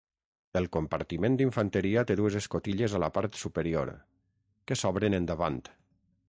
El compartiment d'infanteria té dues escotilles a la part superior, que s'obren endavant.